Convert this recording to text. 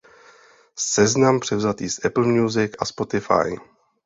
Seznam převzatý z Apple Music a Spotify.